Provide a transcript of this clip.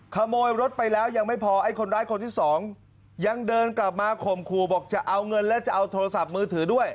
ขโมยรถไปแล้วยังไม่พอไอ้คนร้ายคนที่สองยังเดินกลับมาข่มขู่บอกจะเอาเงินและจะเอาโทรศัพท์มือถือด้วย